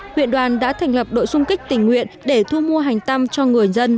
huyện đoàn đã thành lập đội sung kích tỉnh nguyện để thu mua hành tăm cho người dân